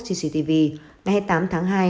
cctv ngày hai mươi tám tháng hai